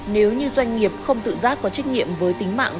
nếu như doanh nghiệp không tự giác có trách nhiệm với tính mạng